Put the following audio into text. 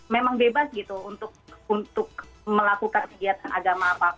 memang bebas gitu untuk melakukan kegiatan agama